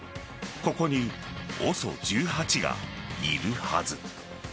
ここにＯＳＯ１８がいるはず。